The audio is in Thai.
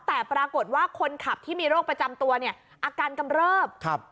แต่ปรากฏว่าคนขับที่มีโรคประจำตัวเนี่ยอาการกำเริบครับ